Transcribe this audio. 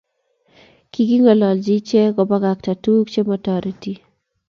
king'ololchi ichek kobakakta tukuk chemotoreti.